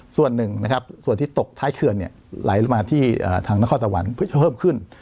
ส่วนหนึ่งนะครับส่วนที่ตกท้ายเกลือลอยลงมาที่ทางมหาวันเพื่อเวิ่มขึ้น